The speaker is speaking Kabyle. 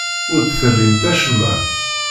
Ur d-terrimt acemma.